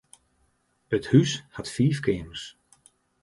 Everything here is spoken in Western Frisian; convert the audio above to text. It hús hat fiif keamers.